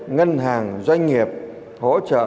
ngân hàng doanh nghiệp hỗ trợ